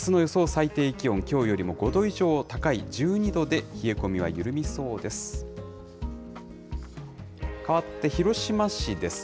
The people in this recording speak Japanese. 最低気温、きょうよりも５度以上高い１２度で、冷え込みは緩みそうです。